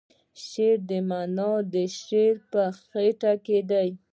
د شعر معنی د شاعر په خیټه کې ده.